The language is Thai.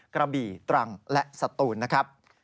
กระบี่ตรังและสตูนนะครับ